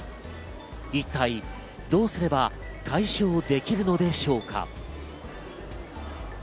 一体どうすれば解消できるのでしょうか？